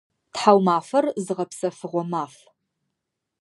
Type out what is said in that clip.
Тхьаумафэр зыгъэпсэфыгъо маф.